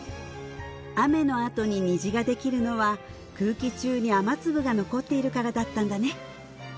雨のあとに虹ができるのは空気中に雨粒が残っているからだったんだね